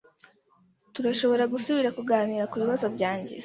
Turashobora gusubira kuganira kubibazo byanjye?